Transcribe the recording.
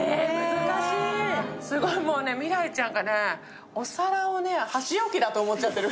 すごい未来ちゃんがね、お皿を箸置きだと思っちゃってる。